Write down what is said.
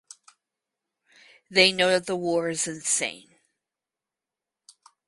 They know that the war is insane.